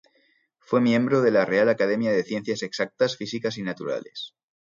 Fue miembro de la Real Academia de Ciencias Exactas, Físicas y Naturales.